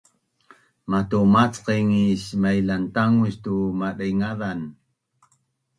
matumacqaing is mailantangus tu madengazan